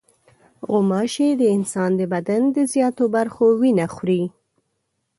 غوماشې د انسان د بدن د زیاتو برخو وینه خوري.